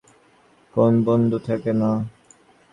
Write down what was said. কোন বন্ধু থাকে না?